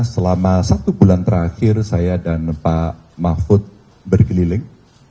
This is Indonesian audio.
selama satu bulan terakhir saya dan pak mahfud berkeliling